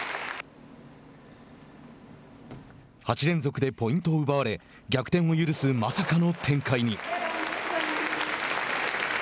８連続でポイントを奪われ逆転を許す、まさかの展開に。